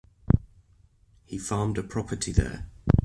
He farmed a property there.